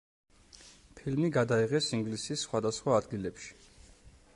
ფილმი გადაიღეს ინგლისის სხვადასხვა ადგილებში.